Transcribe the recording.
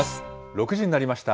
６時になりました。